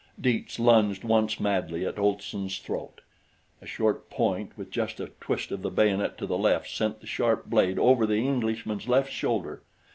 Dietz lunged once madly at Olson's throat. A short point, with just a twist of the bayonet to the left sent the sharp blade over the Englishman's left shoulder.